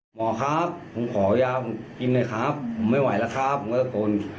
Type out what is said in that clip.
หมอครับผมขอยาผมกินหน่อยครับผมไม่ไหวแล้วครับผมก็จะทน